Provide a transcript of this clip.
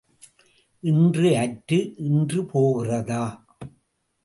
இன்று அற்று இன்று போகிறதா?